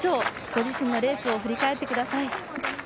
ご自身のレースを振り返ってください。